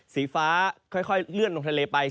สีฟ้าค่อยเลื่อนลงทะเลไป